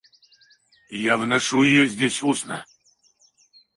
Я вношу ее здесь устно.